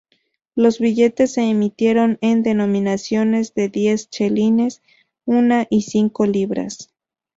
Los billetes se emitieron en denominaciones de de diez chelines, una y cinco libras.